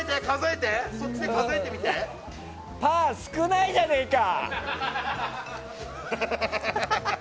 パー少ないじゃねえか！